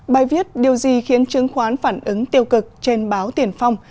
bài viết điều gì khiến chứng khoán phản ứng tiêu cực trên báo tiền phong